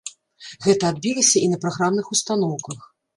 Гэта адбілася і на праграмных устаноўках.